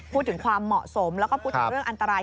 พูดถึงความเหมาะสมแล้วก็พูดถึงเรื่องอันตราย